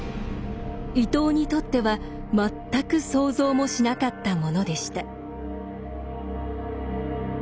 伊藤にとっては全く想像もしなかったものでした。